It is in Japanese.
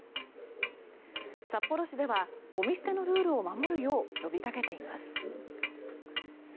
札幌市ではゴミ捨てのルールを守るよう呼びかけています。